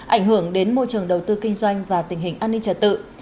ảnh hưởng đến môi trường đầu tư kinh doanh và tình hình an ninh trật tự